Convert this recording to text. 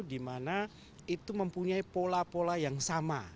dimana itu mempunyai pola pola yang sama